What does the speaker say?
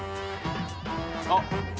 あっ。